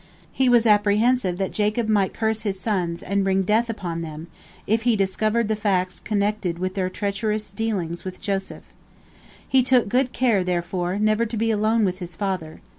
He was apprehensive that Jacob might curse his sons and bring death upon them, if he discovered the facts connected with their treacherous dealings with Joseph. He took good care therefore never to be alone with his father.